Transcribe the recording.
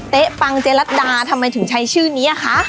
๊ปังเจรัตดาทำไมถึงใช้ชื่อนี้อะคะ